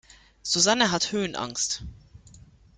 Susanne hat Höhenangst.